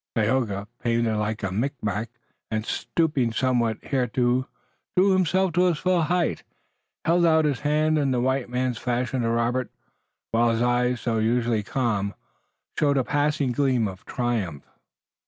Tayoga, painted like a Micmac and stooping somewhat hitherto, drew himself to his full height, held out his hand in the white man's fashion to Robert, while his eyes, usually so calm, showed a passing gleam of triumph.